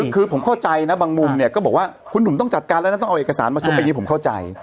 คือผมเข้าใจนะบางมุมเนี่ยก็บอกว่าคุณหนุ่มต้องจัดการแล้วนะต้องเอาเอกสารมาชมอันนี้ผมเข้าใจ